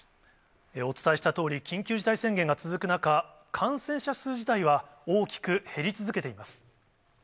お伝えしたとおり、緊急事態宣言が続く中、感染者数自体は大きく減り続けています。